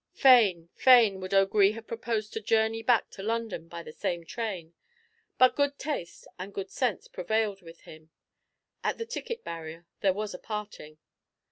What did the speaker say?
Fain, fain would O'Gree have proposed to journey back to London by the same train, but good taste and good sense prevailed with him. At the ticket barrier there was a parting.